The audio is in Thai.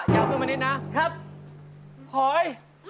ยาวขึ้นมานิดนะครับหอย